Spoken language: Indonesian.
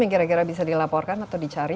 yang kira kira bisa dilaporkan atau dicari